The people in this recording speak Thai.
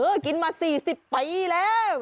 กินมา๔๐ปีแล้ว